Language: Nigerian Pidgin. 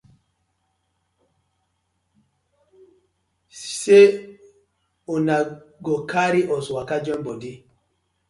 Sey una go karry us waka join bodi.